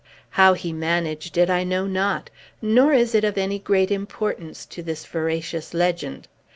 How he managed it I know not, nor is it of any great importance to this veracious legend.